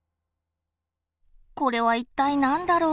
これは一体何だろう？